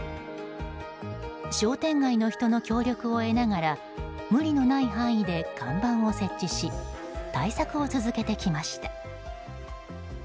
商店街の人の協力を得ながら無理のない範囲で看板を設置し対策を続けてきました。